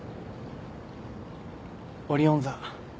オリオン座。